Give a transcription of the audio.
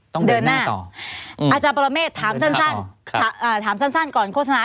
ต้องเดินหน้าต่ออาจารย์ปรเมษถามสั้นก่อนโฆษณา